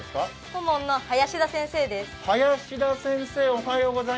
顧問の林田先生です。